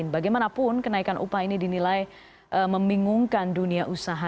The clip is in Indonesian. bagaimanapun kenaikan upah ini dinilai membingungkan dunia usaha